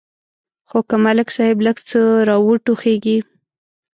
خو که ملک صاحب لږ څه را وټوخېږي.